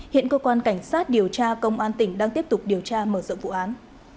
hiện cơ quan cảnh sát điều tra công an tỉnh đang tiếp tục điều tra mở rộng vụ án